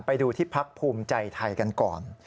ไปดูที่พักภูมิใจไทยกันก่อน